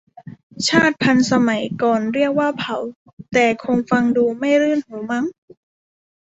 ชาติพันธุ์ สมัยก่อนเรียกว่าเผ่า แต่คงฟังดูไม่รื่นหูมั้ง